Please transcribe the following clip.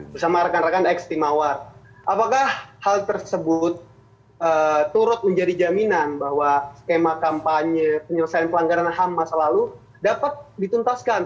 bersama rekan rekan ekstimawar apakah hal tersebut turut menjadi jaminan bahwa skema kampanye penyelesaian pelanggaran ham masa lalu dapat dituntaskan